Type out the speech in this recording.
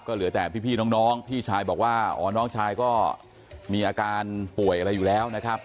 เหลือแต่พี่น้องพี่ชายบอกว่าอ๋อน้องชายก็มีอาการป่วยอะไรอยู่แล้วนะครับ